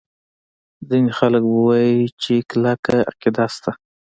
ځیني خلک به ووایي چې کلکه عقیده شته.